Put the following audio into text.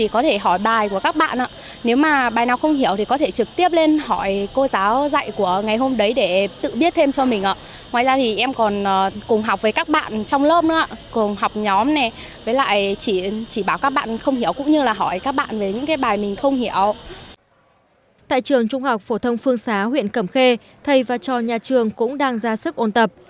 các trường trung học phổ thông phương xá huyện cẩm khê thầy và trò nhà trường cũng đang ra sức ôn tập